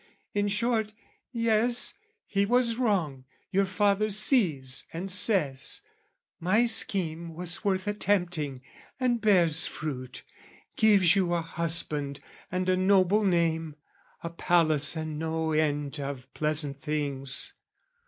In short, "Yes, he was wrong, your father sees and says; "My scheme was worth attempting: and bears fruit, "Gives you a husband and a noble name, "A palace and no end of pleasant things.